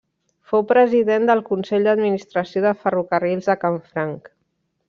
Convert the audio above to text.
Fou president del consell d'administració de Ferrocarrils de Canfranc.